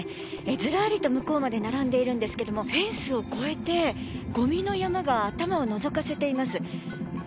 ずらりと向こうまで並んでいるんですけれどもフェンスを越えて、ゴミの山が頭をのぞかせています。